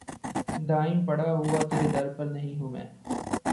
دائم پڑا ہوا تیرے در پر نہیں ہوں میں